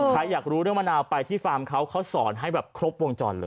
ใครอยากรู้เรื่องมะนาวไปที่ฟาร์มเขาเขาสอนให้แบบครบวงจรเลย